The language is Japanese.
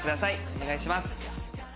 お願いします。